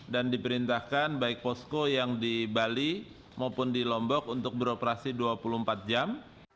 dan diperintahkan baik posko yang di bali maupun di lombok untuk beroperasi dua puluh empat jam